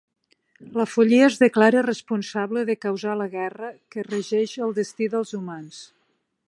La Follia es declara responsable de causar la guerra, que regeix el destí dels humans.